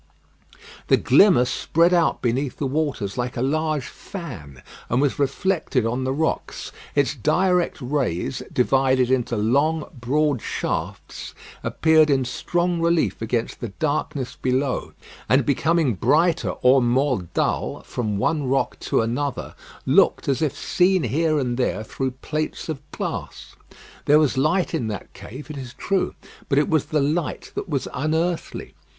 The glimmer spread out beneath the waters like a large fan, and was reflected on the rocks. Its direct rays, divided into long, broad shafts, appeared in strong relief against the darkness below, and becoming brighter or more dull from one rock to another, looked as if seen here and there through plates of glass. There was light in that cave it is true; but it was the light that was unearthly.